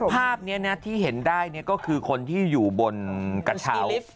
ภาพนี้นะที่เห็นได้ก็คือคนที่อยู่บนกระเช้า